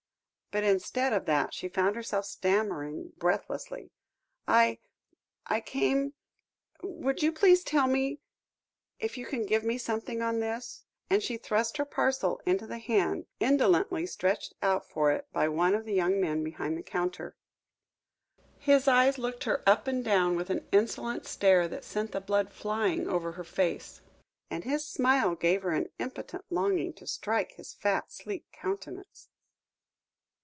But instead of that, she found herself stammering breathlessly, "I I came would you please tell me if you can give me something on this," and she thrust her parcel into the hand indolently stretched out for it, by one of the young men behind the counter. His eyes looked her up and down with an insolent stare that sent the blood flying over her face, and his smile gave her an impotent longing to strike his fat, sleek countenance.